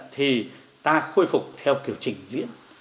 thì ta khôi phục theo kiểu trình diễn